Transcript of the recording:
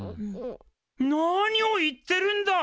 何を言ってるんだ！